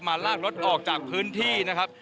ลากรถออกจากพื้นที่นะครับ